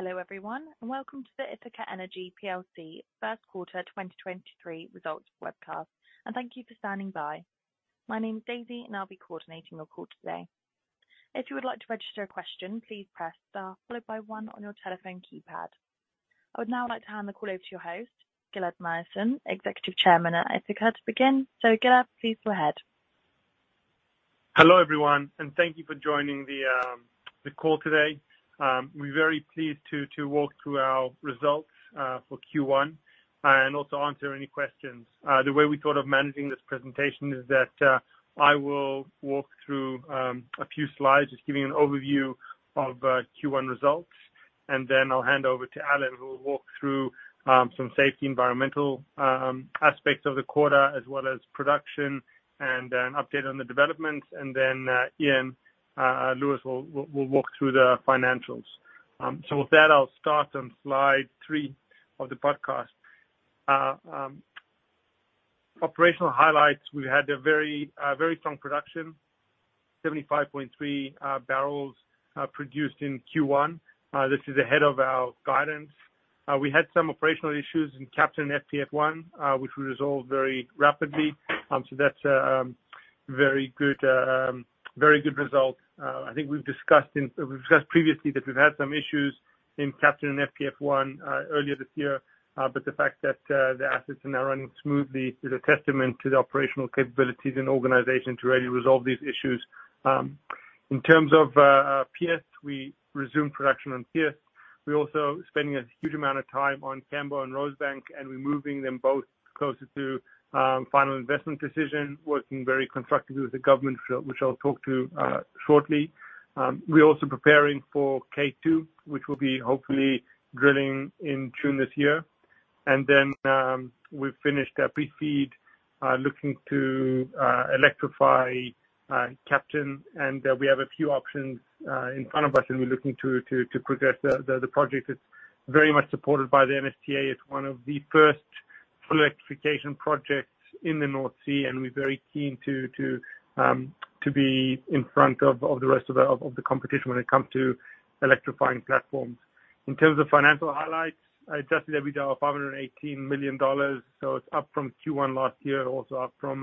Welcome to the Ithaca Energy PLC Q1 2023 results webcast. Thank you for standing by. My name is Daisy. I'll be coordinating your call today. If you would like to register a question, please press Star followed by one on your telephone keypad. I would now like to hand the call over to your host, Gilad Myerson, Executive Chairman at Ithaca, to begin. Gilad, please go ahead. Hello everyone, thank you for joining the call today. We're very pleased to walk through our results for Q1 and also answer any questions. The way we thought of managing this presentation is that I will walk through a few slides, just giving an overview of Q1 results. I'll hand over to Alan, who will walk through some safety, environmental aspects of the quarter, as well as production and an update on the developments. Iain Lewis will walk through the financials. With that, I'll start on slide three of the podcast. Operational highlights, we had a very strong production, 75.3 barrels produced in Q1. This is ahead of our guidance. We had some operational issues in Captain and FPF1, which we resolved very rapidly. That's a very good result. I think we've discussed previously that we've had some issues in Captain and FPF1 earlier this year, but the fact that the assets are now running smoothly is a testament to the operational capabilities and organization to really resolve these issues. In terms of PS, we resumed production on PS. We're also spending a huge amount of time on Cambo and Rosebank. We're moving them both closer to final investment decision, working very constructively with the government, which I'll talk to shortly. We're also preparing for K2, which will be hopefully drilling in June this year. We've finished a pre-FEED looking to electrify Captain, and we have a few options in front of us, and we're looking to progress. The project is very much supported by the NSTA. It's one of the first full electrification projects in the North Sea, and we're very keen to be in front of the rest of the competition when it comes to electrifying platforms. In terms of financial highlights, adjusted EBITDA of $518 million, so it's up from Q1 last year, also up from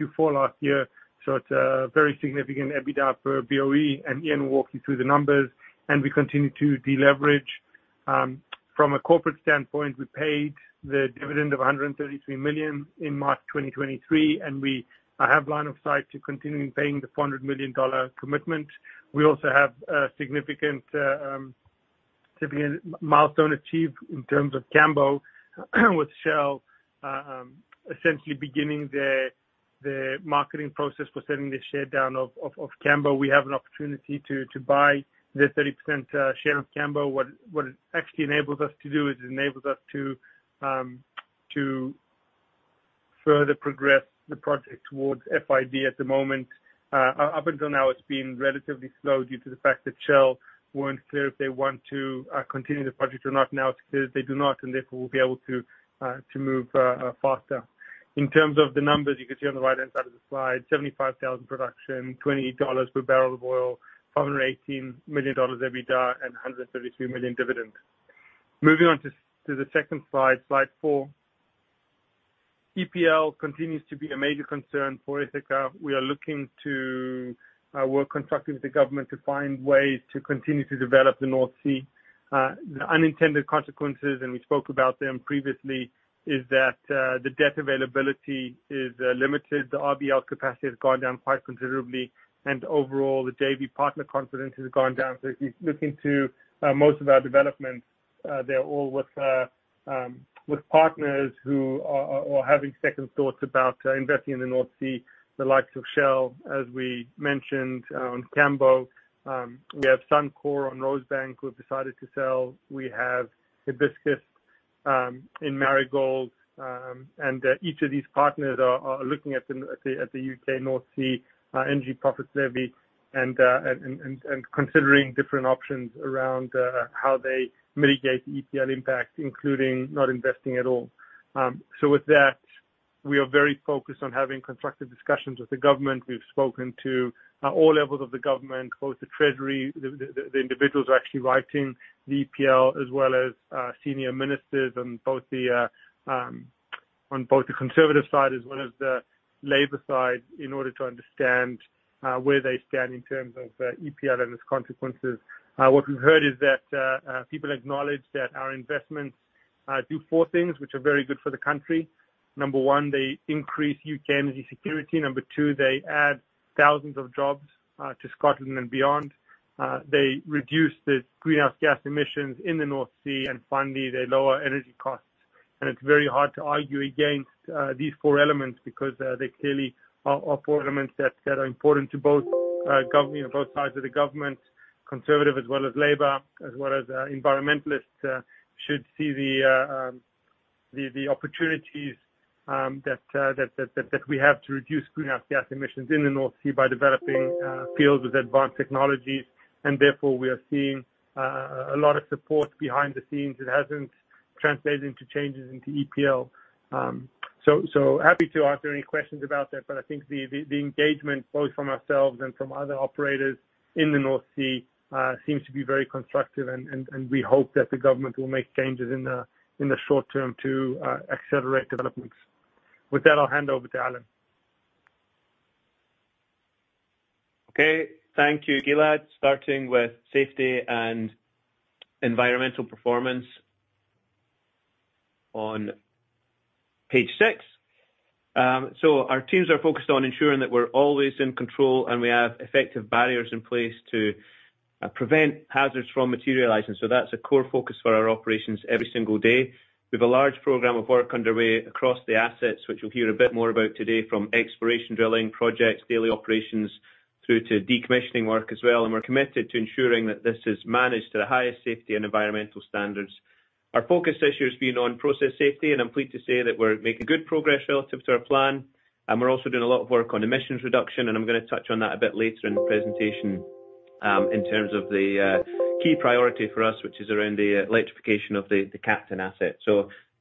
Q4 last year. It's a very significant EBITDA for BOE, and Iain will walk you through the numbers, and we continue to deleverage. From a corporate standpoint, we paid the dividend of $133 million in March 2023, we have line of sight to continuing paying the $400 million commitment. We also have a significant milestone achieved in terms of Cambo, with Shell essentially beginning the marketing process for selling the share down of Cambo. We have an opportunity to buy the 30% share of Cambo. What it actually enables us to do is it enables us to further progress the project towards FID at the moment. Up until now, it's been relatively slow due to the fact that Shell weren't clear if they want to continue the project or not. Now it's clear that they do not, therefore, we'll be able to move faster. In terms of the numbers, you can see on the right-hand side of the slide, 75,000 production, $28 per barrel of oil, $518 million EBITDA, and $132 million dividend. Moving on to the second slide four. EPL continues to be a major concern for Ithaca. We are looking to work constructively with the government to find ways to continue to develop the North Sea. The unintended consequences, and we spoke about them previously, is that the debt availability is limited, the RBL capacity has gone down quite considerably, and overall, the JV partner confidence has gone down. If you look into most of our developments, they're all with partners who are having second thoughts about investing in the North Sea, the likes of Shell, as we mentioned on Cambo. We have Suncor on Rosebank, who have decided to sell. We have Hibiscus in Marigold, each of these partners are looking at the UK North Sea Energy Profits Levy and considering different options around how they mitigate the EPL impact, including not investing at all. With that, we are very focused on having constructive discussions with the government. We've spoken to all levels of the government, both the treasury, the, the individuals who are actually writing the EPL, as well as senior ministers on both the on both the Conservative side as well as the Labour side, in order to understand where they stand in terms of EPL and its consequences. What we've heard is that people acknowledge that our investments do four things which are very good for the country. Number one, they increase UK energy security. Number two, they add thousands of jobs to Scotland and beyond. They reduce the greenhouse gas emissions in the North Sea. Finally, they lower energy costs. It's very hard to argue against these four elements because they clearly are four elements that are important to both government, both sides of the government, Conservative as well as Labour, as well as environmentalists should see the opportunities that we have to reduce greenhouse gas emissions in the North Sea by developing fields with advanced technologies, and therefore, we are seeing a lot of support behind the scenes. It hasn't translates into changes into EPL. So, happy to answer any questions about that, but I think the engagement, both from ourselves and from other operators in the North Sea seems to be very constructive, and we hope that the government will make changes in the short term to accelerate developments. With that, I'll hand over to Alan. Thank you, Gilad. Starting with safety and environmental performance on page six. Our teams are focused on ensuring that we're always in control, and we have effective barriers in place to prevent hazards from materializing. That's a core focus for our operations every single day. We have a large program of work underway across the assets, which you'll hear a bit more about today from exploration drilling projects, daily operations, through to decommissioning work as well, and we're committed to ensuring that this is managed to the highest safety and environmental standards. Our focus issue has been on process safety, and I'm pleased to say that we're making good progress relative to our plan. We're also doing a lot of work on emissions reduction, and I'm going to touch on that a bit later in the presentation, in terms of the key priority for us, which is around the electrification of the Captain asset.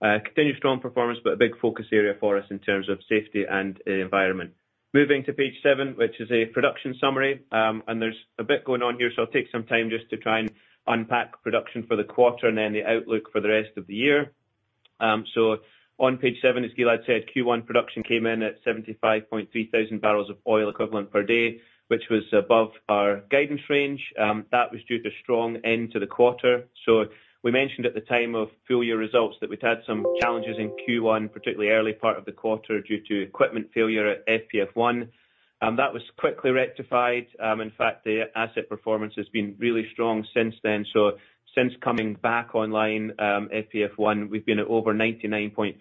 Continued strong performance, but a big focus area for us in terms of safety and the environment. Moving to page seven, which is a production summary. There's a bit going on here, so I'll take some time just to try and unpack production for the quarter and then the outlook for the rest of the year. On page seven, as Gilad said, Q1 production came in at 75.3 thousand barrels of oil equivalent per day, which was above our guidance range. That was due to strong end to the quarter. We mentioned at the time of full year results that we'd had some challenges in Q1, particularly early part of the quarter, due to equipment failure at FPF1. That was quickly rectified. In fact, the asset performance has been really strong since then. Since coming back online, FPF1, we've been at over 99.5%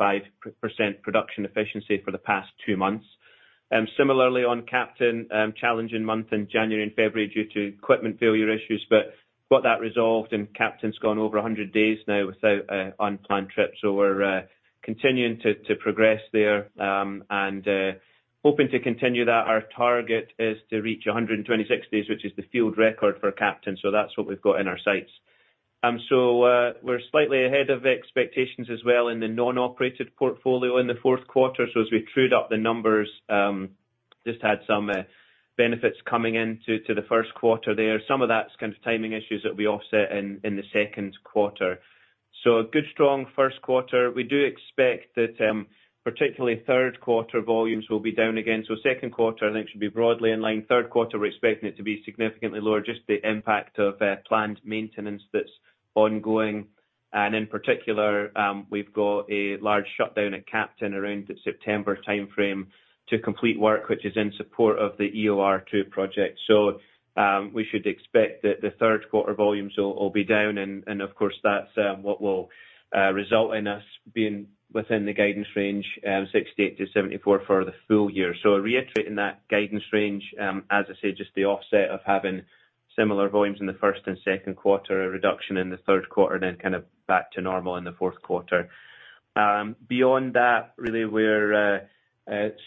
production efficiency for the past two months. Similarly, on Captain, challenging month in January and February due to equipment failure issues, but got that resolved, and Captain's gone over 100 days now without unplanned trips. We're continuing to progress there, and hoping to continue that. Our target is to reach 126 days, which is the field record for Captain. That's what we've got in our sights. We're slightly ahead of expectations as well in the non-operated portfolio in the Q4. As we trued up the numbers, just had some benefits coming in to the Q1 there. Some of that's kind of timing issues that we offset in the Q2. A good, strong Q1. We do expect that particularly Q3 volumes will be down again. Q2, I think, should be broadly in line. Q2, we're expecting it to be significantly lower, just the impact of planned maintenance that's ongoing. In particular, we've got a large shutdown at Captain around the September timeframe to complete work, which is in support of the EOR-2 project. We should expect that the Q3 volumes will be down, and of course, that's what will result in us being within the guidance range, 68-74 for the full year. Reiterating that guidance range, as I say, just the offset of having similar volumes in the first and Q2, a reduction in the Q3, and then kind of back to normal in the Q4. Beyond that, really, we're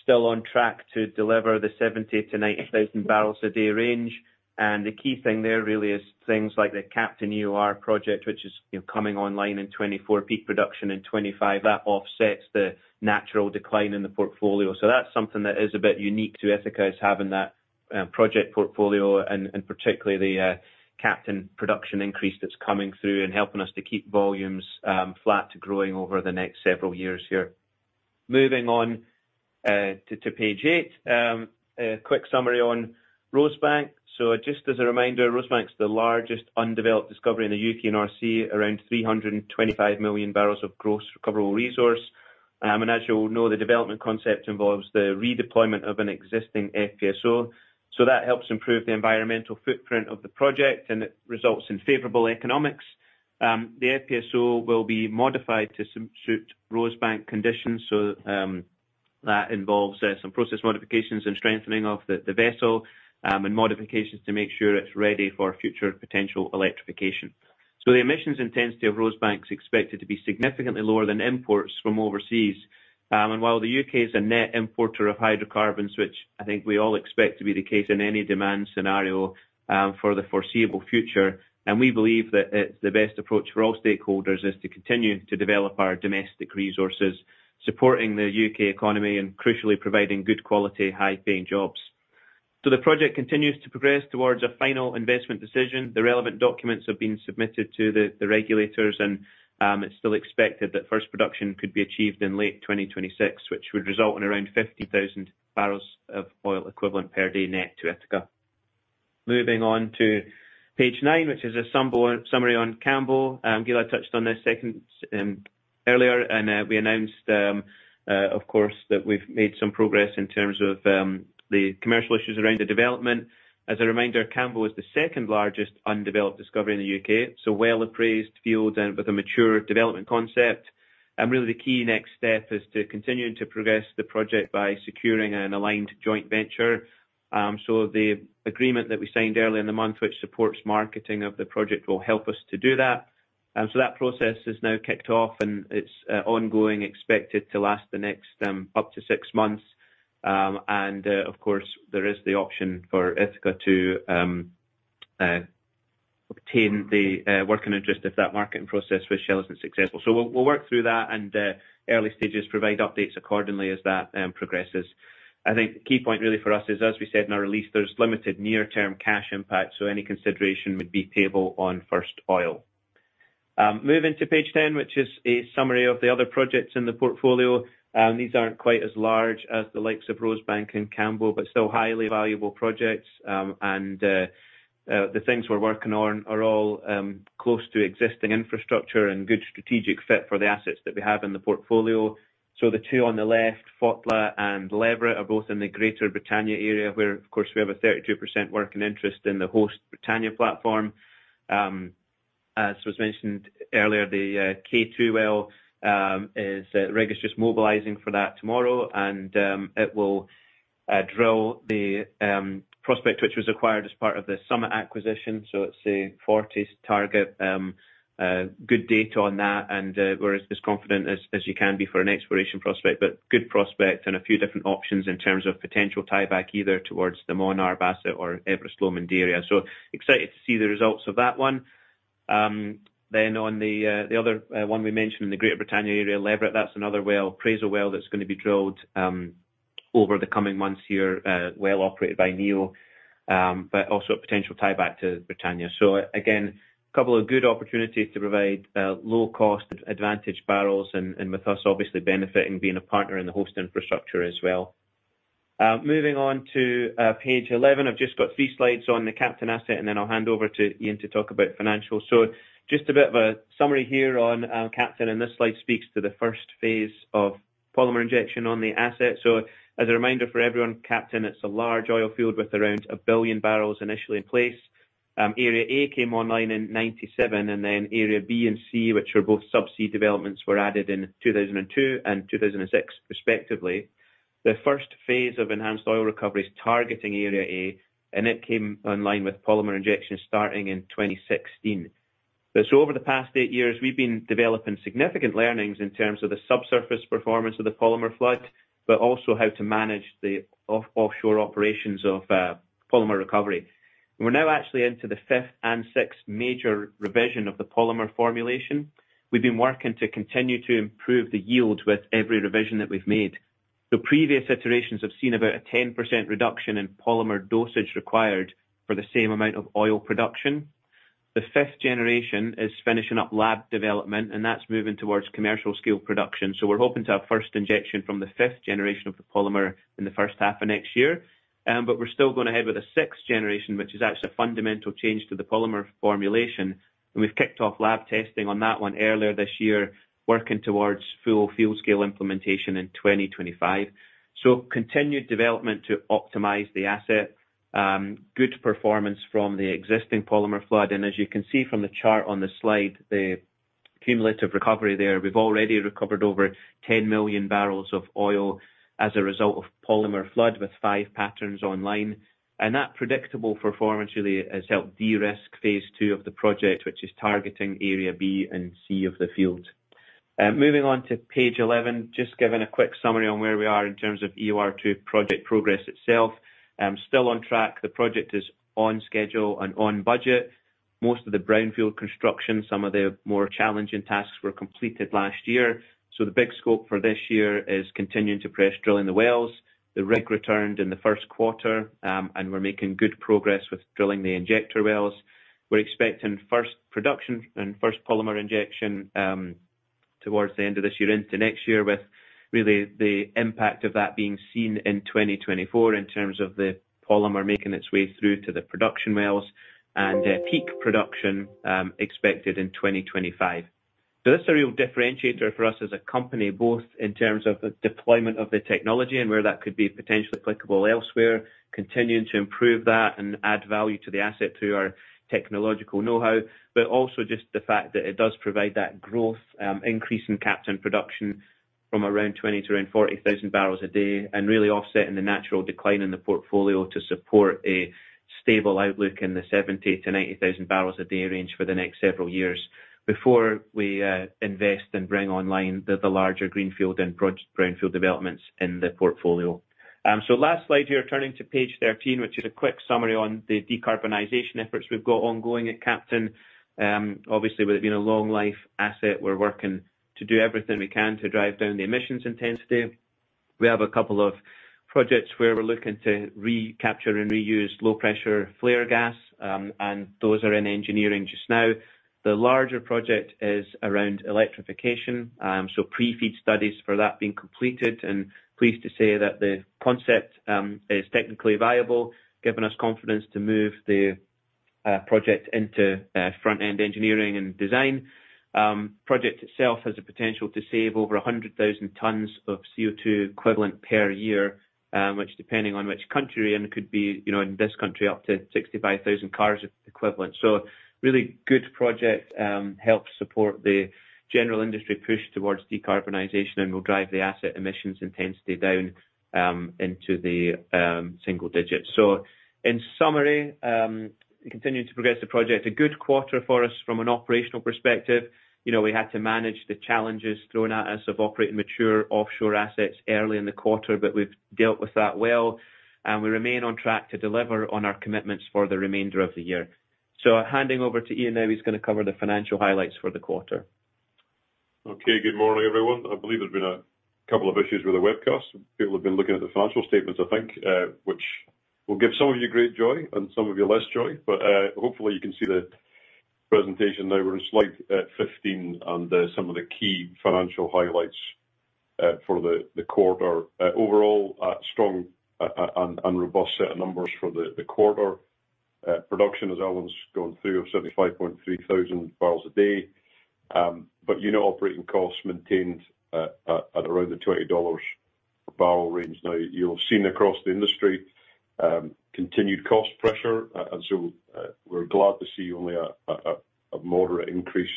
still on track to deliver the 70,000-90,000 barrels a day range. The key thing there really is things like the Captain EOR project, which is, you know, coming online in 2024, peak production in 2025. That offsets the natural decline in the portfolio. That's something that is a bit unique to Ithaca, is having that project portfolio and particularly the Captain production increase that's coming through and helping us to keep volumes flat to growing over the next several years here. Moving on to page eight. A quick summary on Rosebank. Just as a reminder, Rosebank is the largest undeveloped discovery in the UK and RC, around 325 million barrels of gross recoverable resource. And as you'll know, the development concept involves the redeployment of an existing FPSO. That helps improve the environmental footprint of the project, and it results in favorable economics. The FPSO will be modified to suit Rosebank conditions, so, that involves some process modifications and strengthening of the vessel, and modifications to make sure it's ready for future potential electrification. The emissions intensity of Rosebank is expected to be significantly lower than imports from overseas. While the UK is a net importer of hydrocarbons, which I think we all expect to be the case in any demand scenario, for the foreseeable future, and we believe that it's the best approach for all stakeholders, is to continue to develop our domestic resources, supporting the UK economy, and crucially, providing good quality, high-paying jobs. The project continues to progress towards a final investment decision. The relevant documents have been submitted to the regulators, it's still expected that first production could be achieved in late 2026, which would result in around 50,000 barrels of oil equivalent per day net to Ithaca. Moving on to page nine, which is a summary on Cambo. Gilad touched on this earlier, and we announced, of course, that we've made some progress in terms of the commercial issues around the development. As a reminder, Cambo is the second largest undeveloped discovery in the U.K., so well-appraised field and with a mature development concept. Really, the key next step is continuing to progress the project by securing an aligned joint venture. The agreement that we signed earlier in the month, which supports marketing of the project, will help us to do that. That process has now kicked off, and it's ongoing, expected to last the next up to six months. Of course, there is the option for Ithaca to obtain the working interest if that marketing process with Shell isn't successful. We'll work through that, and early stages provide updates accordingly as that progresses. I think the key point really for us is, as we said in our release, there's limited near-term cash impact, so any consideration would be payable on first oil. Moving to page 10, which is a summary of the other projects in the portfolio. These aren't quite as large as the likes of Rosebank and Cambo, but still highly valuable projects. The things we're working on are all close to existing infrastructure and good strategic fit for the assets that we have in the portfolio. The two on the left, Fotla and Leverett, are both in the Greater Britannia area, where, of course, we have a 32% working interest in the host Britannia platform. As was mentioned earlier, the K-2 well rig is just mobilizing for that tomorrow, it will drill the prospect which was acquired as part of the Summit acquisition. It's a Forties target. Good data on that, we're as confident as you can be for an exploration prospect. Good prospect and a few different options in terms of potential tieback, either towards the MonArb Basin or Everest Lomond area. Excited to see the results of that one. On the other one we mentioned in the Greater Britannia Area, Leverett, that's another well, appraisal well, that's going to be drilled over the coming months here, well operated by Neo, but also a potential tieback to Britannia. Again, a couple of good opportunities to provide low cost advantage barrels, and with us obviously benefiting, being a partner in the host infrastructure as well. Moving on to page 11. I've just got three slides on the Captain asset, and then I'll hand over to Iain to talk about financials. Just a bit of a summary here on Captain, and this slide speaks to the first phase of polymer injection on the asset. As a reminder for everyone, Captain, it's a large oil field with around one billion barrels initially in place. Area A came online in 1997, and then Area B and C, which were both subsea developments, were added in 2002 and 2006 respectively. The first phase of enhanced oil recovery is targeting Area A, and it came online with polymer injection starting in 2016. Over the past eight years, we've been developing significant learnings in terms of the subsurface performance of the polymer flood, but also how to manage the offshore operations of polymer recovery. We're now actually into the fifth and sixth major revision of the polymer formulation. We've been working to continue to improve the yield with every revision that we've made. The previous iterations have seen about a 10% reduction in polymer dosage required for the same amount of oil production. The fifth generation is finishing up lab development, and that's moving towards commercial scale production. We're hoping to have first injection from the fifth generation of the polymer in the H1 of next year. We're still going ahead with a sixth generation, which is actually a fundamental change to the polymer formulation, and we've kicked off lab testing on that one earlier this year, working towards full field scale implementation in 2025. Continued development to optimize the asset. Good performance from the existing polymer flood, and as you can see from the chart on the slide, the cumulative recovery there, we've already recovered over 10 million barrels of oil as a result of polymer flood with 5 patterns online. That predictable performance really has helped de-risk phase two of the project, which is targeting area B and C of the field. Moving on to page 11, just giving a quick summary on where we are in terms of EOR2 project progress itself. Still on track, the project is on schedule and on budget. Most of the brownfield construction, some of the more challenging tasks were completed last year. The big scope for this year is continuing to press drilling the wells. The rig returned in the Q1, and we're making good progress with drilling the injector wells. We're expecting first production and first polymer injection towards the end of this year into next year, with really the impact of that being seen in 2024 in terms of the polymer making its way through to the production wells, and peak production expected in 2025. This is a real differentiator for us as a company, both in terms of the deployment of the technology and where that could be potentially applicable elsewhere, continuing to improve that and add value to the asset through our technological know-how. Also just the fact that it does provide that growth, increase in Captain production from around 20,000-40,000 barrels a day, and really offsetting the natural decline in the portfolio to support a stable outlook in the 70,000-80,000 barrels a day range for the next several years before we invest and bring online the larger greenfield and brownfield developments in the portfolio. Last slide here, turning to page 13, which is a quick summary on the decarbonization efforts we've got ongoing at Captain. Obviously, with it being a long life asset, we're working to do everything we can to drive down the emissions intensity. We have a couple of projects where we're looking to recapture and reuse low-pressure flare gas, and those are in engineering just now. The larger project is around electrification. Pre-FEED studies for that being completed and pleased to say that the concept is technically viable, giving us confidence to move the project into Front-End Engineering and Design. Project itself has the potential to save over 100,000 tons of CO2 equivalent per year, which depending on which country, and it could be, you know, in this country, up to 65,000 cars equivalent. Really good project, helps support the general industry push towards decarbonization and will drive the asset emissions intensity down into the single digits. In summary, continuing to progress the project, a good quarter for us from an operational perspective. You know, we had to manage the challenges thrown at us of operating mature offshore assets early in the quarter, but we've dealt with that well, and we remain on track to deliver on our commitments for the remainder of the year. Handing over to Iain now, he's going to cover the financial highlights for the quarter. Okay, good morning, everyone. I believe there's been a couple of issues with the webcast. People have been looking at the financial statements, I think, which will give some of you great joy and some of you less joy, but hopefully, you can see the presentation now. We're in slide 15, and some of the key financial highlights for the quarter. Overall, a strong and robust set of numbers for the quarter. Production, as Alan's gone through, of 75.3 thousand barrels a day. Unit operating costs maintained at around the $20 per barrel range. You'll have seen across the industry, continued cost pressure, we're glad to see only a moderate increase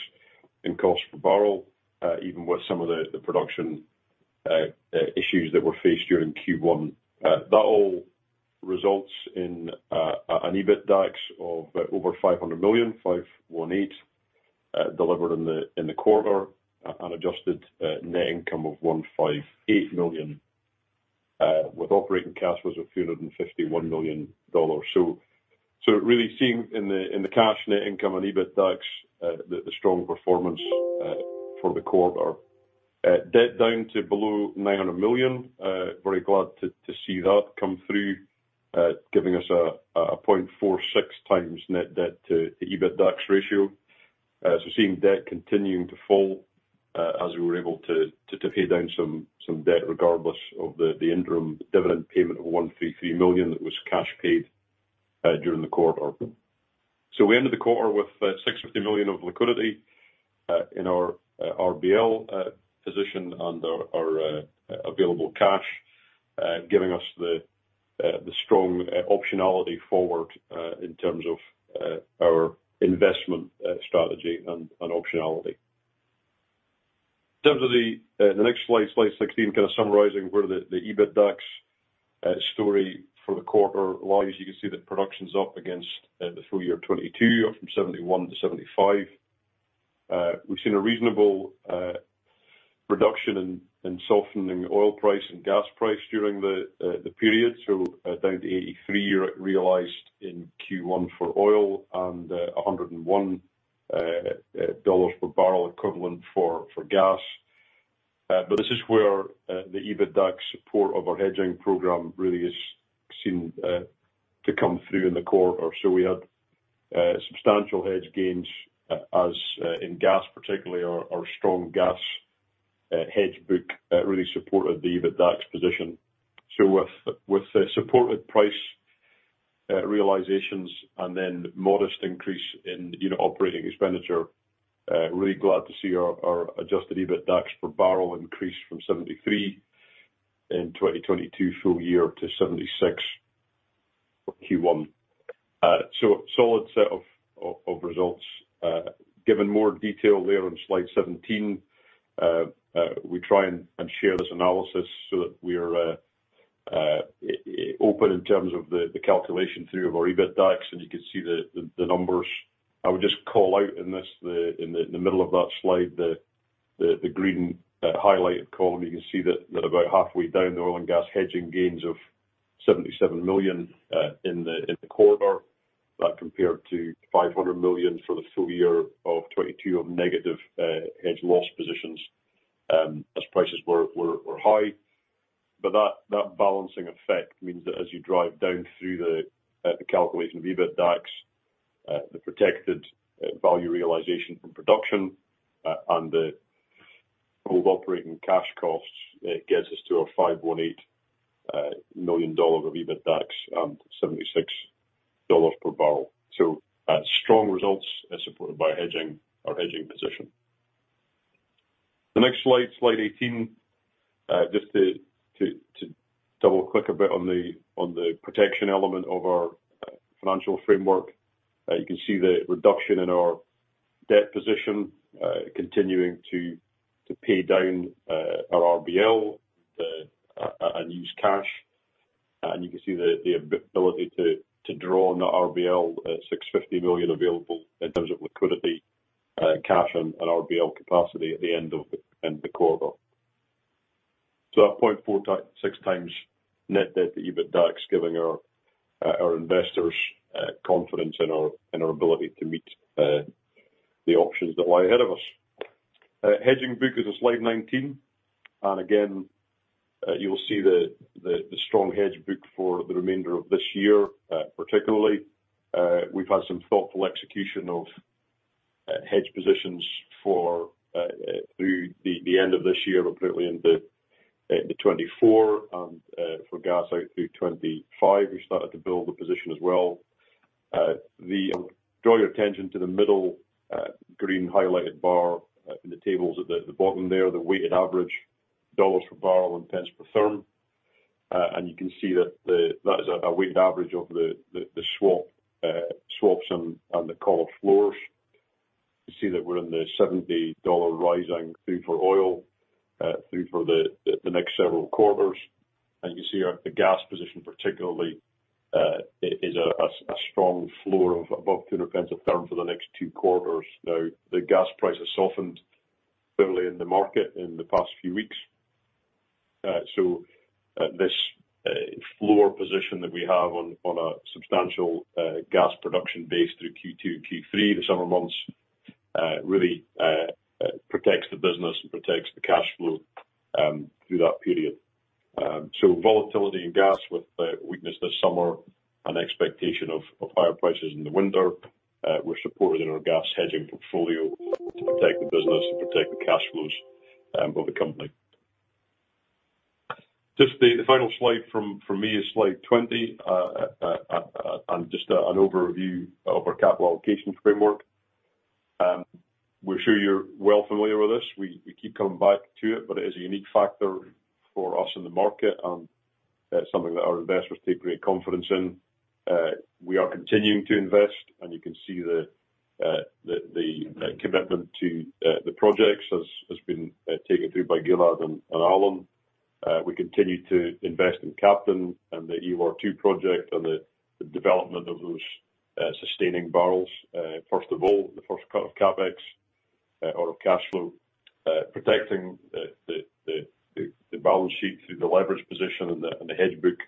in cost per barrel, even with some of the production issues that were faced during Q1. That all results in an EBITDAX of over $518 million delivered in the quarter, and adjusted net income of $158 million with operating cash flows of $251 million. Really seeing in the cash net income and EBITDAX the strong performance for the quarter. Debt down to below $900 million. Very glad to see that come through, giving us a 0.46 times net debt to EBITDAX ratio. Seeing debt continuing to fall, as we were able to pay down debt, regardless of the interim dividend payment of 133 million, that was cash paid during the quarter. We ended the quarter with 650 million of liquidity in our RBL position and available cash, giving us the strong optionality forward in terms of our investment strategy and optionality. In terms of the next slide 16, kind of summarizing where the EBITDAX story for the quarter lies. You can see that production's up against the full year 2022, from 71 to 75. We've seen a reasonable reduction in softening oil price and gas price during the period, so down to $83 realized in Q1 for oil and $101 per barrel equivalent for gas. But this is where the EBITDAX support of our hedging program really is seen to come through in the quarter. So we had substantial hedge gains in gas particularly, our strong gas hedge book really supported the EBITDAX position. So with the supported price realizations and then modest increase in unit operating expenditure, really glad to see our adjusted EBITDAX per barrel increase from $73 in 2022 full year to $76 for Q1. So solid set of results Given more detail there on slide 17, we try and share this analysis so that we are open in terms of the calculation through of our EBITDAX, and you can see the numbers. I would just call out in this, in the middle of that slide, the green highlighted column, you can see that about halfway down, the oil and gas hedging gains of $77 million in the quarter. That compared to $500 million for the full year of 2022 of negative hedge loss positions, as prices were high. That balancing effect means that as you drive down through the calculation of EBITDAX, the protected value realization from production, and the total operating cash costs, it gets us to $518 million of EBITDAX and $76 per barrel. Strong results as supported by hedging, our hedging position. The next slide 18, just to double-click a bit on the protection element of our financial framework. You can see the reduction in our debt position, continuing to pay down our RBL, and use cash. You can see the ability to draw on that RBL, $650 million available in terms of liquidity, cash and RBL capacity at the end of the quarter. That 0.46 times net debt to EBITDAX, giving our investors confidence in our ability to meet the options that lie ahead of us. Hedging book is in slide 19, and again, you will see the strong hedge book for the remainder of this year, particularly. We've had some thoughtful execution of hedge positions for through the end of this year, apparently into 2024, and for gas out through 2025, we started to build the position as well. Draw your attention to the middle green highlighted bar in the tables at the bottom there, the weighted average $ per barrel and pence per therm. You can see that is a weighted average of the swap swaps and the collar floors. You see that we're in the $70 rising through for oil through for the next several quarters. You see our gas position particularly is a strong floor of above 200 pence a therm for the next two quarters. Now, the gas price has softened early in the market, in the past few weeks. This floor position that we have on a substantial gas production base through Q2, Q3, the summer months, really protects the business and protects the cash flow through that period. Volatility in gas with the weakness this summer and expectation of higher prices in the winter, we're supported in our gas hedging portfolio to protect the business and protect the cash flows of the company. Just the final slide from me is slide 20. Just an overview of our capital allocations framework. We're sure you're well familiar with this. We keep coming back to it, but it is a unique factor for us in the market, and something that our investors take great confidence in. We are continuing to invest, you can see the commitment to the projects as has been taken through by Gilad and Alan. We continue to invest in Captain and the EOR-2 project, and the development of those sustaining barrels. First of all, the first cut of CapEx out of cashflow protecting the balance sheet through the leverage position and the hedge book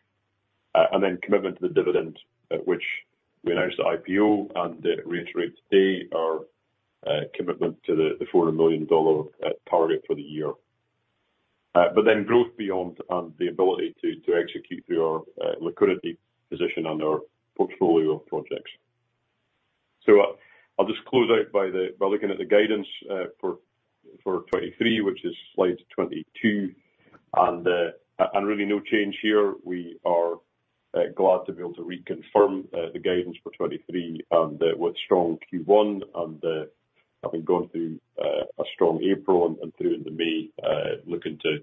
and then commitment to the dividend, at which we announced the IPO and reiterate today our commitment to the $400 million target for the year. Growth beyond, and the ability to execute through our liquidity position and our portfolio of projects. I'll just close out by looking at the guidance for 2023, which is slide 22. Really no change here. We are glad to be able to reconfirm the guidance for 2023, and with strong Q1, and having gone through a strong April and through into May, looking to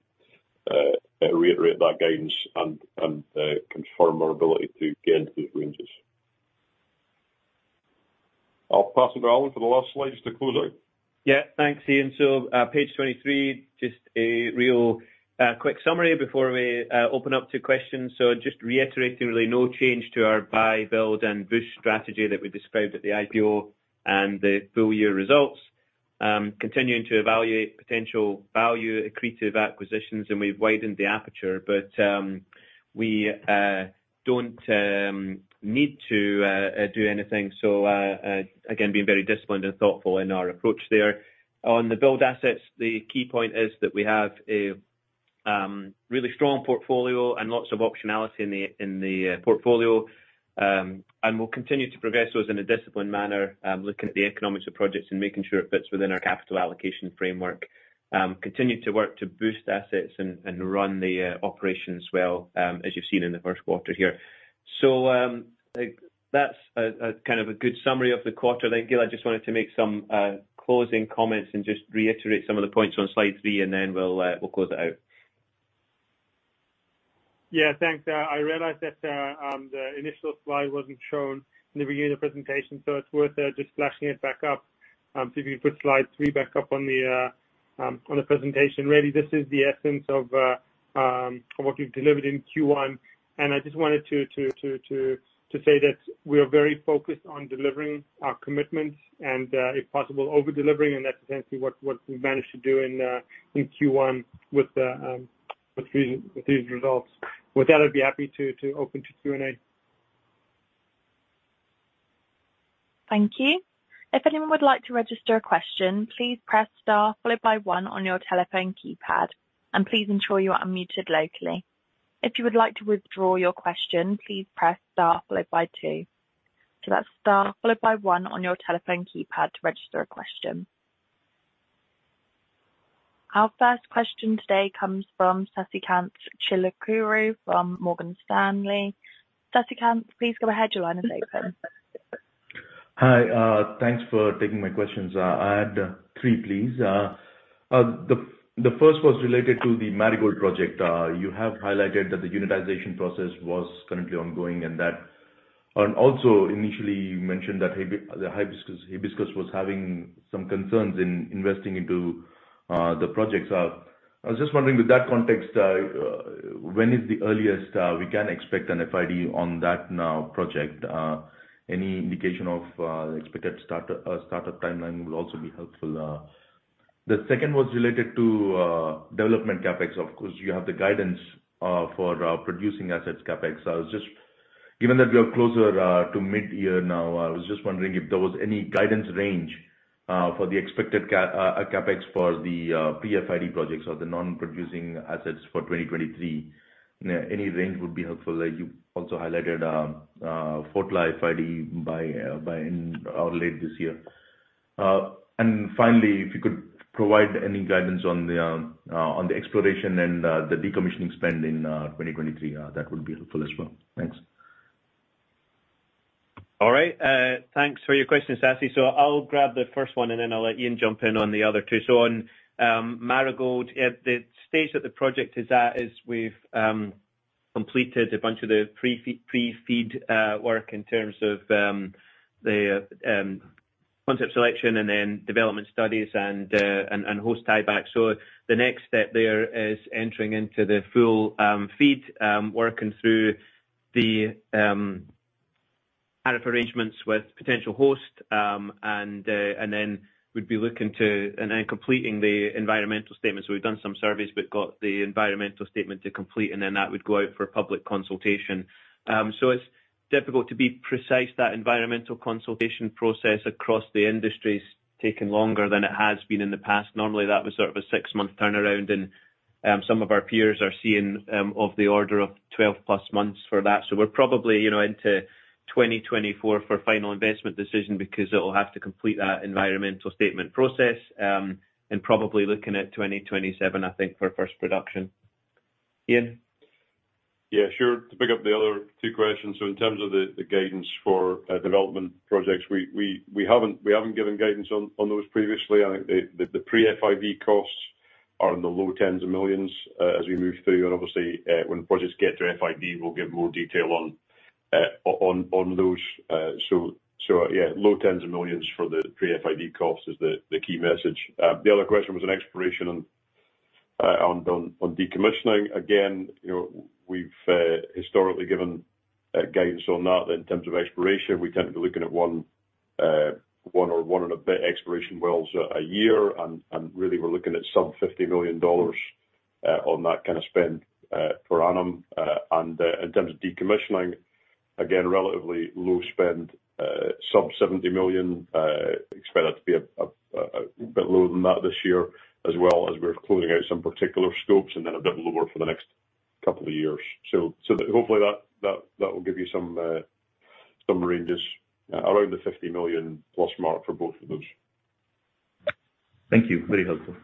reiterate that guidance and confirm our ability to get into those ranges. I'll pass it to Alan for the last slide, just to close out. Thanks, Iain. Page 23, just a real quick summary before we open up to questions. Just reiterating, really no change to our buy, build, and boost strategy that we described at the IPO and the full year results. Continuing to evaluate potential value accretive acquisitions, and we've widened the aperture, but we don't need to do anything. Again, being very disciplined and thoughtful in our approach there. On the build assets, the key point is that we have a really strong portfolio and lots of optionality in the portfolio. We'll continue to progress those in a disciplined manner, looking at the economics of projects and making sure it fits within our capital allocation framework. continue to work to boost assets and run the operations well, as you've seen in the Q1 here. Like, that's a kind of a good summary of the quarter. Gilad, I just wanted to make some closing comments and just reiterate some of the points on slide 3, and then we'll close it out. Yeah. Thanks. I realized that the initial slide wasn't shown in the beginning of the presentation, so it's worth just flashing it back up. If you put slide 3 back up on the on the presentation. Really, this is the essence of what we've delivered in Q1. I just wanted to say that we are very focused on delivering our commitments and if possible, over-delivering, and that's essentially what we managed to do in Q1 with these, with these results. With that, I'd be happy to open to Q&A. Thank you. If anyone would like to register a question, please press star followed by one on your telephone keypad, and please ensure you are unmuted locally. If you would like to withdraw your question, please press star followed by two. That's star followed by one on your telephone keypad to register a question. Our first question today comes from Sasikanth Chilukuru from Morgan Stanley. Sasikanth, please go ahead. Your line is open. Hi, thanks for taking my questions. I had 3, please. The first was related to the Marigold project. You have highlighted that the unitization process was currently ongoing, and that initially, you mentioned that Hibiscus was having some concerns in investing into the projects. I was just wondering, with that context, when is the earliest we can expect an FID on that now project? Any indication of expected startup timeline will also be helpful. The second was related to development CapEx. Of course, you have the guidance for producing assets CapEx. Given that we are closer to mid-year now, I was just wondering if there was any guidance range for the expected CapEx for the pre-FID projects or the non-producing assets for 2023. Any range would be helpful. Like, you also highlighted Fotla FID by end or late this year. Finally, if you could provide any guidance on the exploration and the decommissioning spend in 2023, that would be helpful as well. Thanks. All right. Thanks for your questions, Sasi. I'll grab the first one, and then I'll let Iain jump in on the other two. On Marigold, the stage that the project is at, is we've completed a bunch of the pre-FEED work in terms of the concept selection and then development studies, and host tie-back. The next step there is entering into the full FEED, working through the arrangements with potential host, and then we'd be looking to and then completing the environmental statement. We've done some surveys, but got the environmental statement to complete, and then that would go out for public consultation. It's difficult to be precise. That environmental consultation process across the industry's taken longer than it has been in the past. Normally, that was sort of a 6-month turnaround, and some of our peers are seeing, of the order of 12+ months for that. We're probably, you know, into 2024 for final investment decision, because it will have to complete that environmental statement process and probably looking at 2027, I think, for first production. Iain? Yeah, sure. To pick up the other two questions. In terms of the guidance for development projects, we haven't given guidance on those previously. I think the pre-FID costs are in the low tens of millions of dollars, as we move through. Obviously, when the projects get to FID, we'll give more detail on those. Yeah, low tens of millions of dollars for the pre-FID costs is the key message. The other question was on exploration, on decommissioning. You know, we've historically given guidance on that. In terms of exploration, we tend to be looking at 1 or 1 and a bit exploration wells a year, and really, we're looking at some $50 million on that kind of spend per annum. In terms of decommissioning, again, relatively low spend, sub 70 million. Expect that to be a bit lower than that this year, as well, as we're closing out some particular scopes, and then a bit lower for the next couple of years. Hopefully that will give you some ranges around the 50 million+ mark for both of those. Thank you. Very helpful.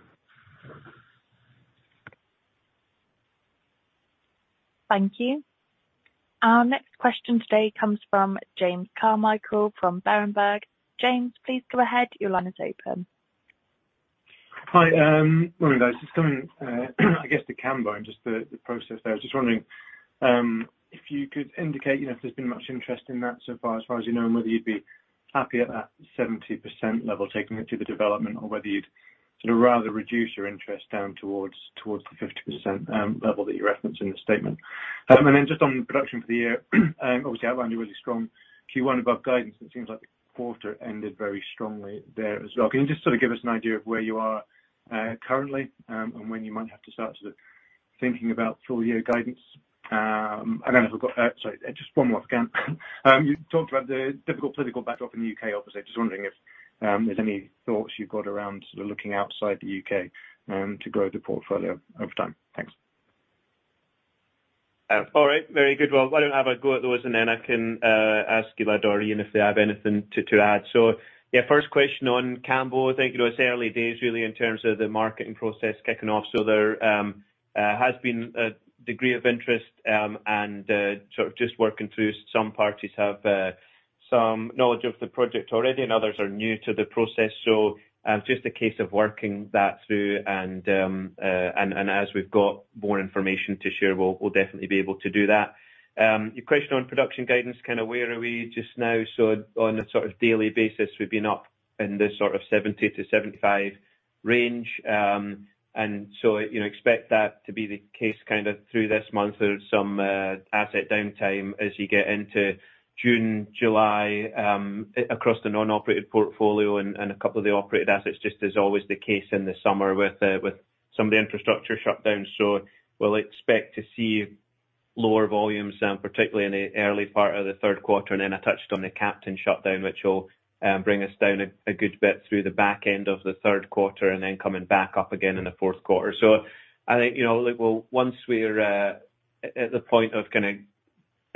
Thank you. Our next question today comes from James Carmichael from Berenberg. James, please go ahead. Your line is open. Hi, good morning, guys. Just coming, I guess, to Cambo, and just the process there. I was just wondering, if you could indicate, you know, if there's been much interest in that so far, as far as you know, and whether you'd be happy at that 70% level, taking it to the development? Whether you'd sort of rather reduce your interest down towards the 50% level that you referenced in the statement. Just on the production for the year, obviously outlined a really strong Q1 above guidance. It seems like the quarter ended very strongly there as well. Can you just sort of give us an idea of where you are, currently, and when you might have to start to thinking about full year guidance? I've got. Sorry, just one more for Cam. You talked about the difficult political backdrop in the UK, obviously. Just wondering if, there's any thoughts you've got around sort of looking outside the UK, to grow the portfolio over time? Thanks. All right, very good. Why don't I have a go at those, and then I can ask either Gilad or Iain, if they have anything to add. Yeah, first question on Cambo. I think, you know, it's early days really in terms of the marketing process kicking off. There has been a degree of interest, and sort of just working through. Some parties have some knowledge of the project already, and others are new to the process. Just a case of working that through and as we've got more information to share, we'll definitely be able to do that. Your question on production guidance, kind of where are we just now? On a sort of daily basis, we've been up in the sort of 70-75 range. You know, expect that to be the case kind of through this month. There's some asset downtime as you get into June, July, across the non-operated portfolio and a couple of the operated assets, just as always the case in the summer with some of the infrastructure shutdowns. We'll expect to see lower volumes, particularly in the early part of the Q3. I touched on the Captain shutdown, which will bring us down a good bit through the back end of the Q3, and then coming back up again in the Q4. I think, you know, look, Once we're at the point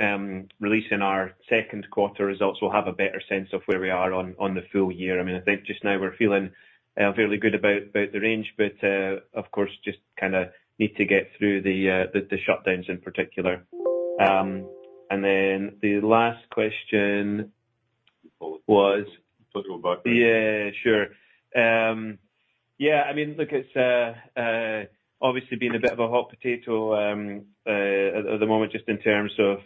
of kind of releasing our Q2 results, we'll have a better sense of where we are on the full year. I mean, I think just now we're feeling fairly good about the range, but, of course, just kind of need to get through the shutdowns in particular. The last question was. Let's go back. Yeah, sure. I mean, look, it's obviously been a bit of a hot potato at the moment, just in terms of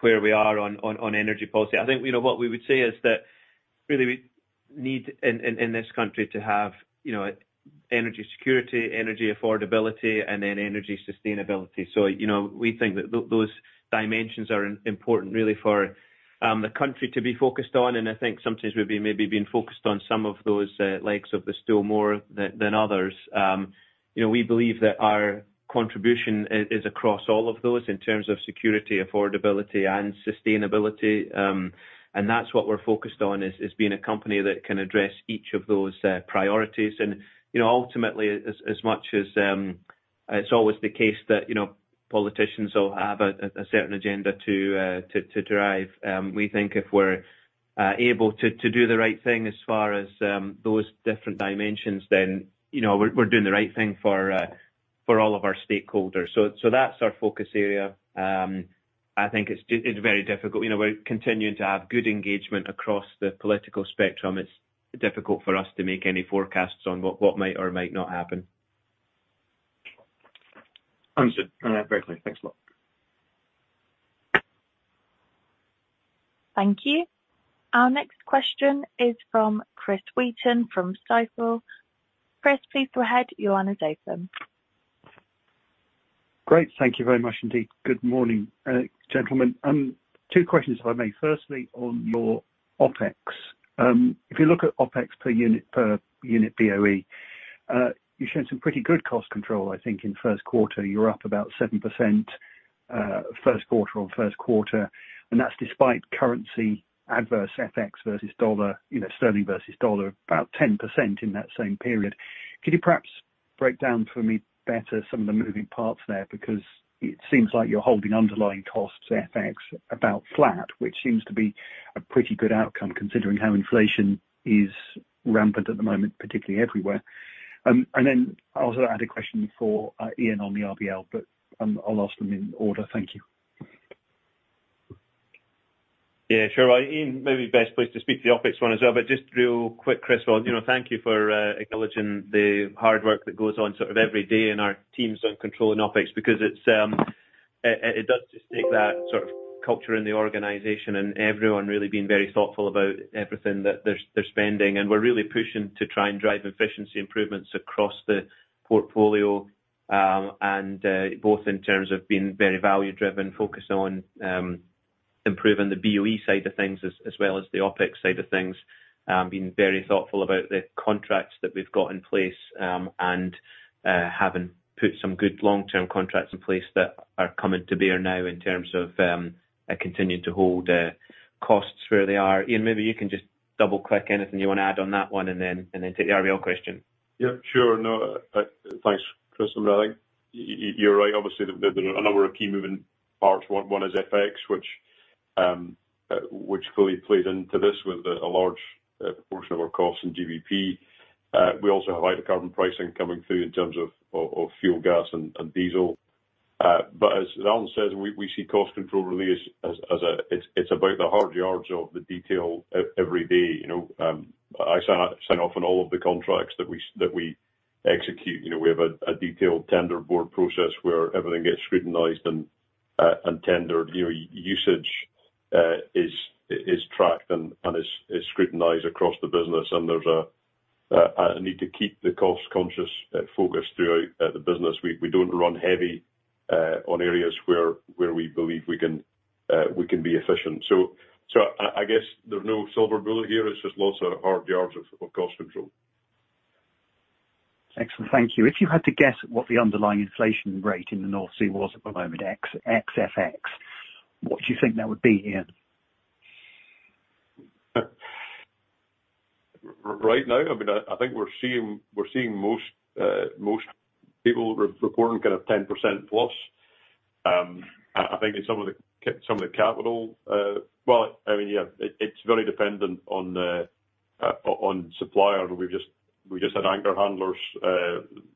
where we are on energy policy. I think, you know, what we would say is that really we need in this country to have, you know, energy security, energy affordability, and then energy sustainability. You know, we think that those dimensions are important really for the country to be focused on. I think sometimes we've been maybe been focused on some of those legs of the stool more than others. You know, we believe that our contribution is across all of those in terms of security, affordability, and sustainability. And that's what we're focused on, is being a company that can address each of those priorities. You know, ultimately, as much as, it's always the case that, you know, politicians will have a certain agenda to drive. We think if we're able to do the right thing as far as, those different dimensions, then, you know, we're doing the right thing for all of our stakeholders. That's our focus area. I think it's very difficult. You know, we're continuing to have good engagement across the political spectrum. It's difficult for us to make any forecasts on what might or might not happen. Understood. Very clear. Thanks a lot. Thank you. Our next question is from Chris Wheaton, from Stifel. Chris, please go ahead. Your line is open. Great. Thank you very much indeed. Good morning, gentlemen. Two questions, if I may. Firstly, on your OpEx. If you look at OpEx per unit, per unit BOE, you showed some pretty good cost control, I think, in Q1. You're up about 7%, Q1-on-Q1, and that's despite currency adverse FX versus dollar, you know, sterling versus dollar, about 10% in that same period. Could you perhaps break down for me better some of the moving parts there? Because it seems like you're holding underlying costs, FX, about flat, which seems to be a pretty good outcome, considering how inflation is rampant at the moment, particularly everywhere. I also had a question for Iain on the RBL, but, I'll ask them in order. Thank you. Yeah, sure. Well, Iain, may be best placed to speak to the OpEx one as well, but just real quick, Chris, you know, thank you for acknowledging the hard work that goes on sort of every day in our teams on controlling OpEx. It does just take that sort of culture in the organization, and everyone really being very thoughtful about everything that they're spending. We're really pushing to try and drive efficiency improvements across the portfolio, and both in terms of being very value driven, focused on improving the BOE side of things as well as the OpEx side of things. Being very thoughtful about the contracts that we've got in place, having put some good long-term contracts in place that are coming to bear now in terms of continuing to hold costs where they are. Iain, maybe you can just double-click anything you want to add on that one, and then take the RBL question. Yeah, sure. No, thanks, Chris. I think you're right. Obviously, there are a number of key moving parts. One is FX, which fully plays into this with a large portion of our costs in GBP. We also have higher carbon pricing coming through in terms of fuel, gas, and diesel. As Alan says, we see cost control really as it's about the hard yards of the detail every day, you know? I sign off on all of the contracts that we execute. You know, we have a detailed tender board process where everything gets scrutinized and tendered. You know, usage, is tracked and is scrutinized across the business, and there's a need to keep the cost-conscious focus throughout the business. We don't run heavy on areas where we believe we can be efficient. I guess there's no silver bullet here. It's just lots of hard yards of cost control. Excellent. Thank you. If you had to guess what the underlying inflation rate in the North Sea was at the moment, ex FX, what do you think that would be, Iain? Right now? I mean, I think we're seeing most people reporting kind of 10% plus. I think in some of the some of the capital... Well, I mean, yeah, it's very dependent on the on supplier. We just had anchor handlers,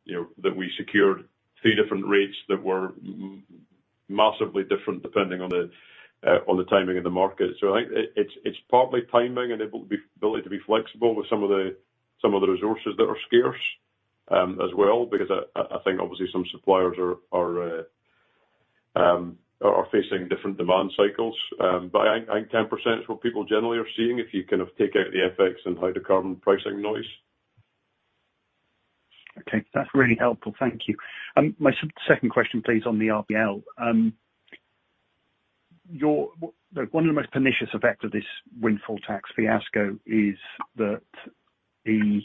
you know, that we secured three different rates that were massively different, depending on the on the timing of the market. I think it's partly timing and ability to be flexible with some of the, some of the resources that are scarce, as well, because I think obviously some suppliers are facing different demand cycles. I think 10% is what people generally are seeing, if you kind of take out the FX and hydrocarbon pricing noise. Okay, that's really helpful. Thank you. Second question, please, on the RBL. One of the most pernicious effects of this windfall tax fiasco is that the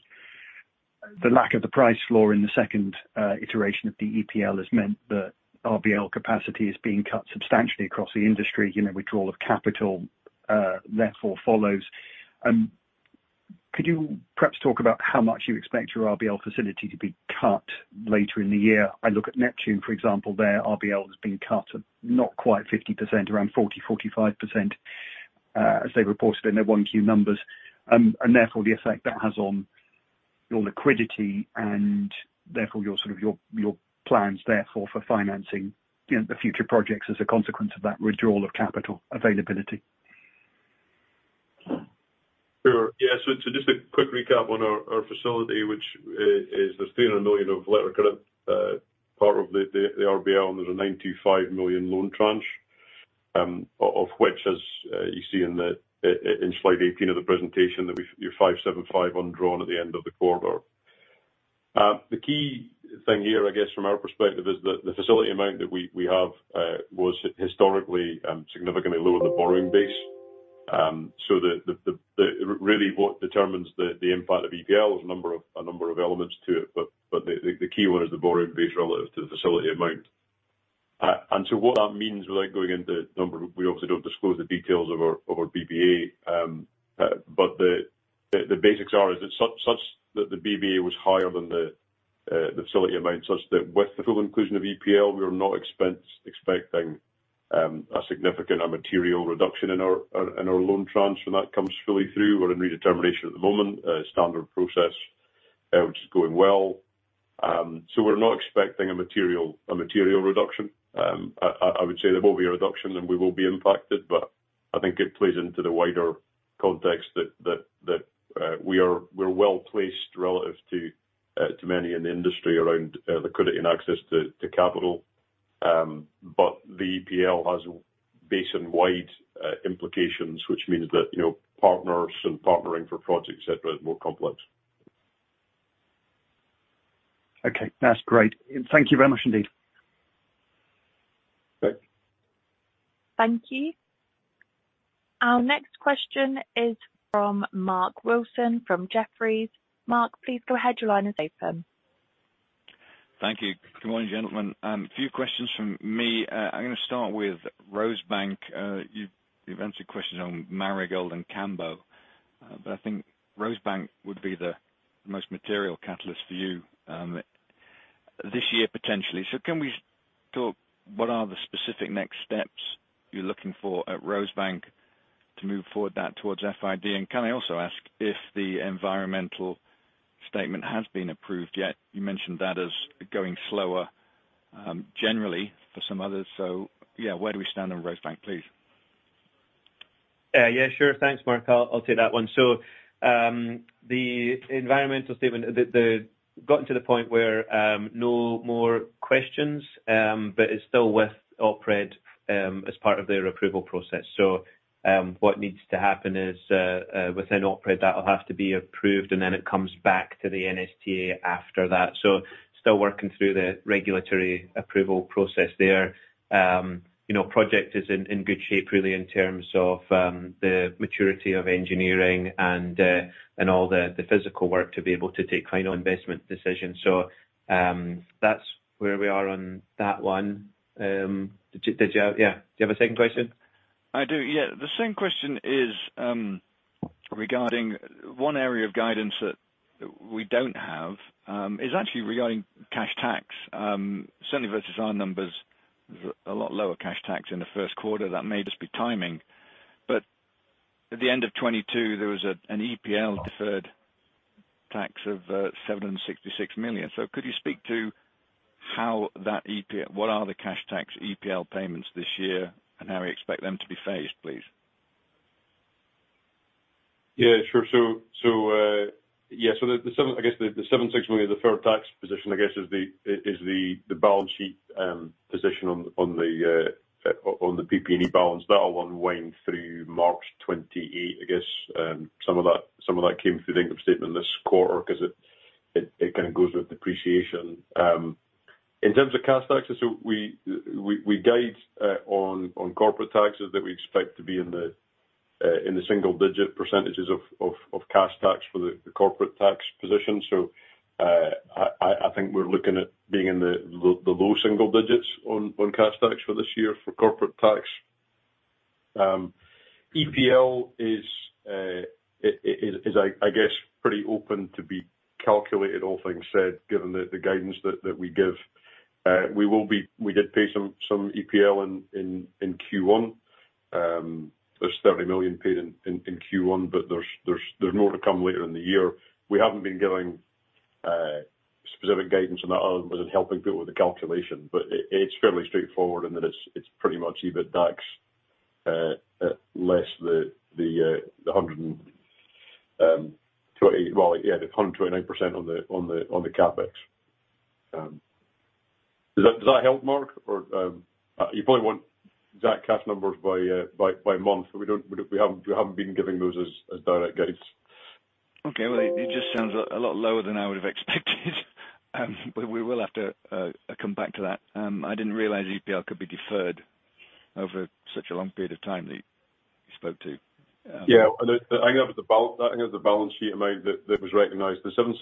lack of the price floor in the second iteration of the EPL has meant that RBL capacity is being cut substantially across the industry. You know, withdrawal of capital, therefore, follows. Could you perhaps talk about how much you expect your RBL facility to be cut later in the year? I look at Neptune, for example, their RBL has been cut, not quite 50%, around 40%-45%, as they reported in their 1Q numbers. Therefore, the effect that has on your liquidity and therefore, your sort of, your plans therefore for financing, you know, the future projects as a consequence of that withdrawal of capital availability. Sure. Just a quick recap on our facility, which is there's $300 million of letter of credit, part of the RBL, and there's a $95 million loan tranche, of which, as you see in slide 18 of the presentation, you're $575 million undrawn at the end of the quarter. The key thing here, I guess, from our perspective, is that the facility amount that we have was historically significantly lower than the borrowing base. Really what determines the impact of EPL, there's a number of elements to it, but the key one is the borrowing base relative to the facility amount. What that means, without going into the number, we obviously don't disclose the details of our BBA. The basics are is that the BBA was higher than the facility amount, such that with the full inclusion of EPL, we are not expecting a significant, a material reduction in our loan tranche when that comes fully through. We're in redetermination at the moment, standard process, which is going well. We're not expecting a material reduction. I would say there will be a reduction, and we will be impacted, but I think it plays into the wider context that we're well placed relative to many in the industry around the credit and access to capital. The EPL has basin-wide implications, which means that, you know, partners and partnering for projects, et cetera, is more complex. Okay, that's great. Thank you very much indeed. Great. Thank you. Our next question is from Mark Wilson, from Jefferies. Mark, please go ahead. Your line is open. Thank you. Good morning, gentlemen. A few questions from me. I'm gonna start with Rosebank. You've answered questions on Marigold and Cambo, but I think Rosebank would be the most material catalyst for you, this year, potentially. Can we talk, what are the specific next steps you're looking for at Rosebank to move forward that towards FID? Can I also ask if the environmental statement has been approved yet? You mentioned that as going slower, generally for some others. Yeah, where do we stand on Rosebank, please? Yeah, sure. Thanks, Mark. I'll take that one. The environmental statement, gotten to the point where no more questions, but it's still with OPRED as part of their approval process. What needs to happen is within OPRED, that will have to be approved, and then it comes back to the NSTA after that. Still working through the regulatory approval process there. You know, project is in good shape, really, in terms of the maturity of engineering and all the physical work to be able to take final investment decisions. That's where we are on that one. Yeah, do you have a second question? I do, yeah. The second question is, regarding one area of guidance that we don't have, is actually regarding cash tax. Certainly versus our numbers, a lot lower cash tax in the Q1, that may just be timing. At the end of 2022, there was an EPL deferred tax of $766 million. Could you speak to how that EPL, what are the cash tax EPL payments this year, and how you expect them to be phased, please? Yeah, sure. Yeah, so the 76 million, the deferred tax position, I guess is the balance sheet position on the PP&E balance. That'll unwind through March 2028. I guess some of that came through the income statement this quarter, 'cause it kind of goes with depreciation. In terms of cash tax, so we guide on corporate taxes that we expect to be in the single-digit % of cash tax for the corporate tax position. I think we're looking at being in the low single-digits on cash tax for this year for corporate tax. EPL is, I guess, pretty open to be calculated, all things said, given the guidance that we give. We did pay some EPL in Q1. There's 30 million paid in Q1, but there's more to come later in the year. We haven't been giving specific guidance on that, other than helping people with the calculation, but it's fairly straightforward and that it's pretty much EBITDAX less the 129% on the CapEx. Does that help, Mark? You probably want exact cash numbers by month. We haven't been giving those as direct guides. Okay. Well, it just sounds a lot lower than I would have expected. We will have to come back to that. I didn't realize EPL could be deferred over such a long period of time that you spoke to. I know the balance sheet amount that was recognized. The $766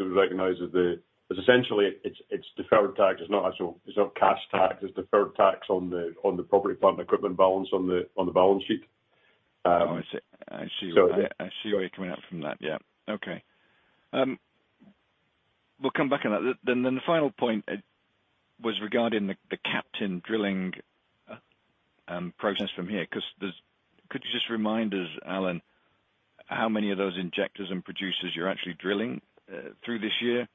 was recognized as the. Essentially, it's deferred tax. It's not actual, it's not cash tax, it's deferred tax on the Property, Plant, and Equipment balance on the balance sheet. Oh, I see. I see where you're coming at from that. Yeah. Okay. We'll come back on that. The final point was regarding the Captain drilling process from here. Could you just remind us, Alan, how many of those injectors and producers you're actually drilling through this year?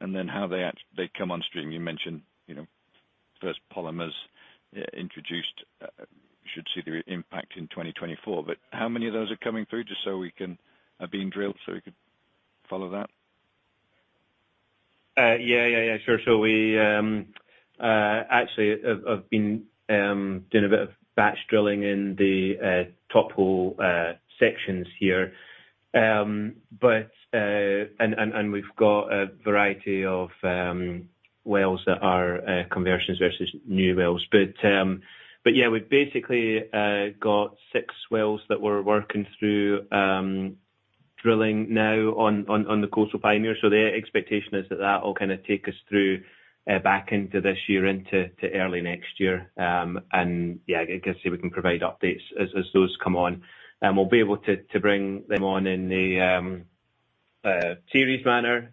How they come on stream. You mentioned, you know, first polymer is introduced, should see the impact in 2024. How many of those are coming through, are being drilled, so we could follow that? Yeah, yeah. Sure. We actually have been doing a bit of batch drilling in the top hole sections here. We've got a variety of wells that are conversions versus new wells. Yeah, we've basically got 6 wells that we're working through, drilling now on the COSLPioneer. The expectation is that will kind of take us through back into this year, into early next year. Yeah, I guess we can provide updates as those come on. We'll be able to bring them on in a series manner.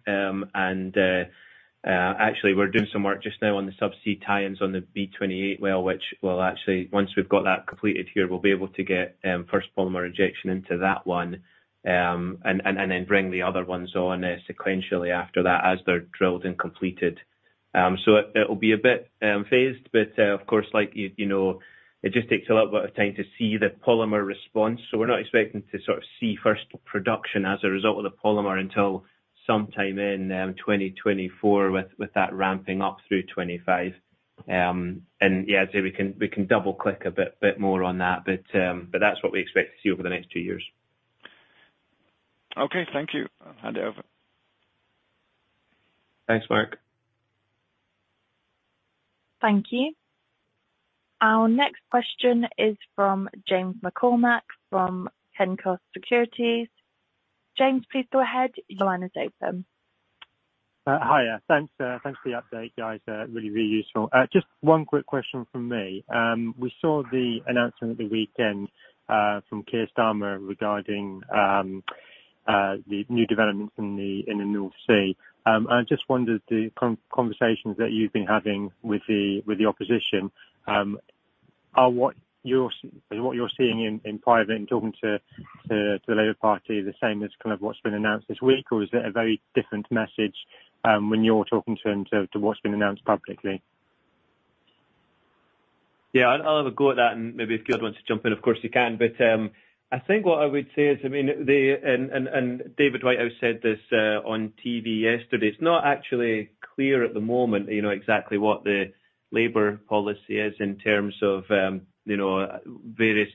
Actually, we're doing some work just now on the subsea tie-ins on the B-28 well, which will actually, once we've got that completed here, we'll be able to get first polymer injection into that one. Then bring the other ones on sequentially after that, as they're drilled and completed. It will be a bit phased, but of course, like, you know, it just takes a little bit of time to see the polymer response. We're not expecting to sort of see first production, as a result of the polymer, until sometime in 2024, with that ramping up through 2025. Yeah, so we can double click a bit more on that, but that's what we expect to see over the next 2 years. Okay, thank you. I'll hand it over. Thanks, Mark. Thank you. Our next question is from James McCormack from Canaccord Genuity. James, please go ahead. Your line is open. Hi, yeah. Thanks, thanks for the update, guys. Really, really useful. Just one quick question from me. We saw the announcement at the weekend from Keir Starmer regarding the new developments in the North Sea. I just wondered, the conversations that you've been having with the, with the opposition, are what you're seeing in private, in talking to, to the Labour Party, the same as kind of what's been announced this week? Is it a very different message when you're talking to them, to what's been announced publicly? Yeah, I'll have a go at that. Maybe if Gilad wants to jump in, of course he can. I think what I would say is, I mean, David Whitehouse said this on TV yesterday, it's not actually clear at the moment, you know, exactly what the Labour policy is in terms of, you know, various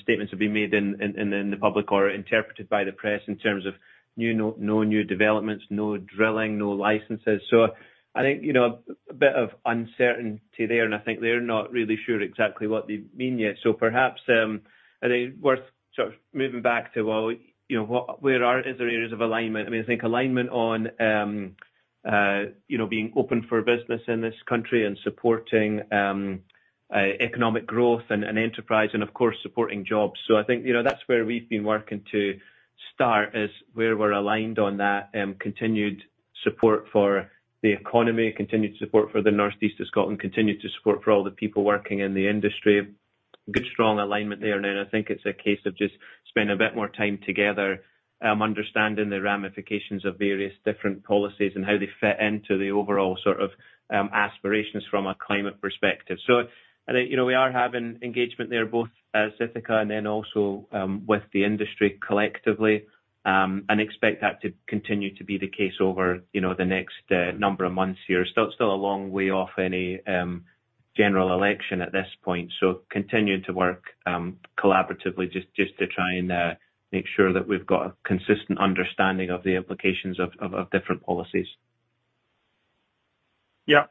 statements have been made in the public or interpreted by the press in terms of no new developments, no drilling, no licenses. I think, you know, a bit of uncertainty there, and I think they're not really sure exactly what they mean yet. Perhaps, I think worth sort of moving back to, well, you know, where are there areas of alignment? I mean, I think alignment on, you know, being open for business in this country and supporting economic growth and enterprise and, of course, supporting jobs. I think, you know, that's where we've been working to start, is where we're aligned on that, continued support for the economy, continued support for the northeast of Scotland, continued support for all the people working in the industry. Good, strong alignment there. I think it's a case of just spending a bit more time together, understanding the ramifications of various different policies and how they fit into the overall sort of, aspirations from a climate perspective. I think, you know, we are having engagement there, both as Ithaca and then also, with the industry collectively, and expect that to continue to be the case over, you know, the next number of months here. Still a long way off any general election at this point. Continuing to work collaboratively, just to try and make sure that we've got a consistent understanding of the implications of different policies. Yeah.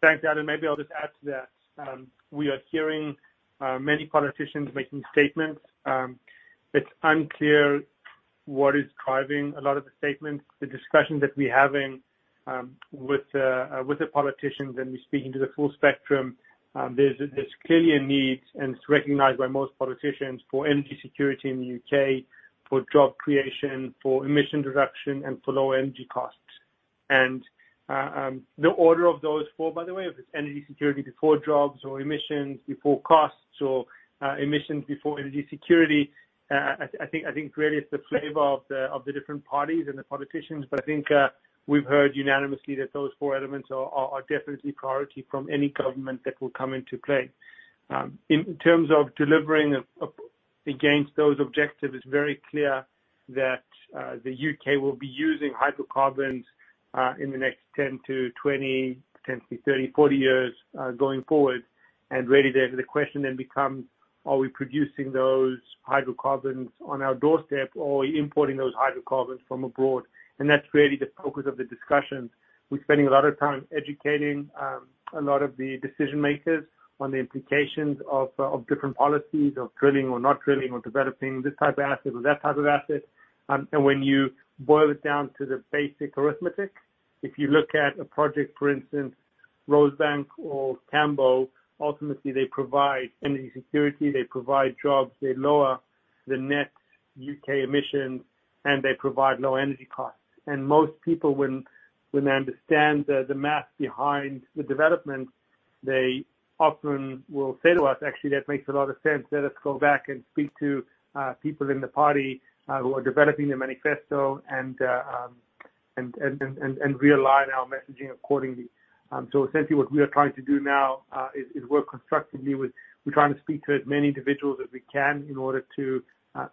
Thanks, Alan. Maybe I'll just add to that. We are hearing many politicians making statements, but unclear what is driving a lot of the statements. The discussions that we're having with the politicians, and we're speaking to the full spectrum, there's clearly a need, and it's recognized by most politicians, for energy security in the UK, for job creation, for emission reduction, and for low energy costs. The order of those four, by the way, if it's energy security before jobs or emissions before costs or emissions before energy security, I think really it's the flavor of the different parties and the politicians. I think we've heard unanimously that those four elements are definitely priority from any government that will come into play. In terms of delivering against those objectives, it's very clear that the UK will be using hydrocarbons in the next 10-20, potentially 30, 40 years, going forward. Really the question then becomes: Are we producing those hydrocarbons on our doorstep or are we importing those hydrocarbons from abroad? That's really the focus of the discussions. We're spending a lot of time educating a lot of the decision makers on the implications of different policies, of drilling or not drilling or developing this type of asset or that type of asset. When you boil it down to the basic arithmetic, if you look at a project, for instance, Rosebank or Cambo, ultimately they provide energy security, they provide jobs, they lower the net UK emissions, and they provide low energy costs. Most people, when they understand the math behind the developments, they often will say to us, "Actually, that makes a lot of sense. Let us go back and speak to people in the party who are developing the manifesto and realign our messaging accordingly." Essentially what we are trying to do now, work constructively with. We're trying to speak to as many individuals as we can in order to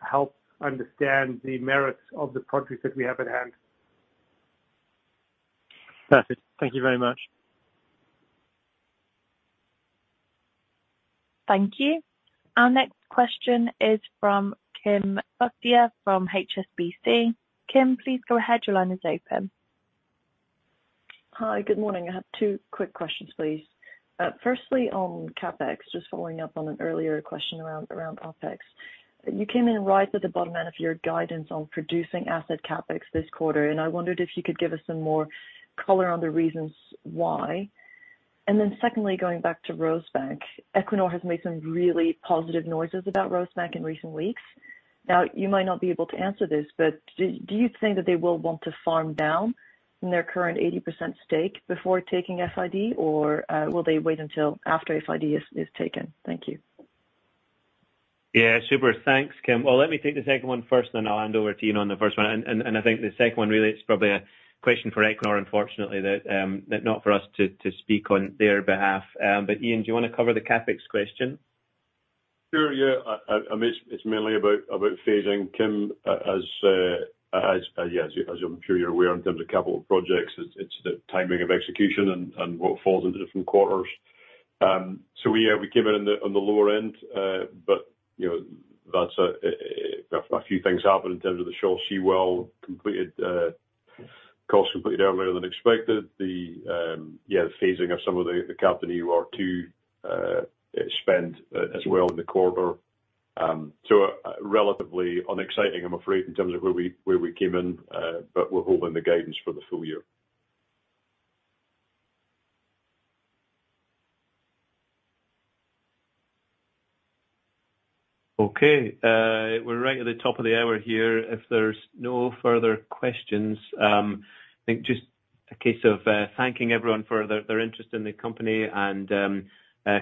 help understand the merits of the projects that we have at hand. Perfect. Thank you very much. Thank you. Our next question is from Kim Fustier from HSBC. Kim, please go ahead. Your line is open. Hi. Good morning. I have two quick questions, please. Firstly, on CapEx, just following up on an earlier question around OpEx. You came in right at the bottom end of your guidance on producing asset CapEx this quarter, I wondered if you could give us some more color on the reasons why. Secondly, going back to Rosebank. Equinor has made some really positive noises about Rosebank in recent weeks. You might not be able to answer this, do you think that they will want to farm down from their current 80% stake before taking FID? Will they wait until after FID is taken? Thank you. Yeah, super. Thanks, Kim. Well, let me take the second one first, then I'll hand over to you on the first one. I think the second one really is probably a question for Equinor, unfortunately, that not for us to speak on their behalf. Iain, do you want to cover the CapEx question? Sure, yeah. I mean, it's mainly about phasing, Kim. As, yes, as I'm sure you're aware, in terms of capital projects, it's the timing of execution and what falls into different quarters. We came in on the lower end, but, you know, a few things happened in terms of the Selce well completed, costs completed earlier than expected. The, yeah, the phasing of some of the CapEx EOR2 spend as well in the quarter. Relatively unexciting, I'm afraid, in terms of where we came in, but we're holding the guidance for the full year. Okay. We're right at the top of the hour here. If there's no further questions, I think just a case of thanking everyone for their interest in the company and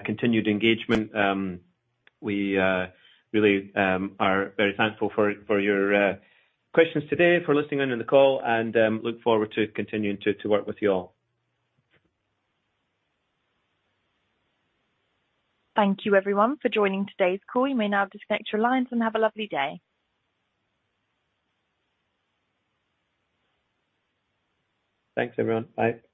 continued engagement. We really are very thankful for your questions today, for listening in on the call, and look forward to continuing to work with you all. Thank you, everyone, for joining today's call. You may now disconnect your lines and have a lovely day. Thanks, everyone. Bye.